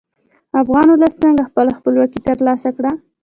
افغان ولس څنګه خپله خپلواکي تر لاسه کړه؟